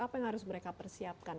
apa yang harus mereka persiapkan